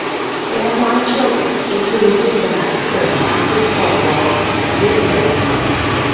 They had nine children, including diplomat Sir Francis Oswald Lindley.